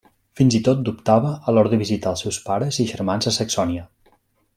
Fins i tot dubtava a l'hora de visitar els seus pares i germans a Saxònia.